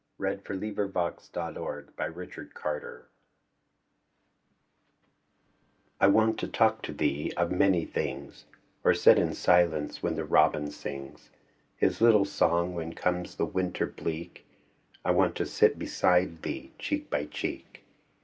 THE SAD YEARS I WANT TO TALK TO THEE I WANT to talk to thee of many things Or sit in silence when the robin sings His little song, when comes the winter bleak I want to sit beside thee, cheek by cheek.